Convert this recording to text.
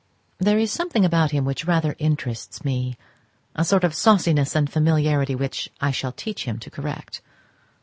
There is something about him which rather interests me, a sort of sauciness and familiarity which I shall teach him to correct.